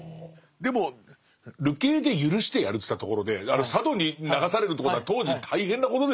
でも流刑で許してやるっていったところで佐渡に流されるってことは当時大変なことですよね恐らく。